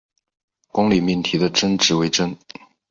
公理命题的真值为真。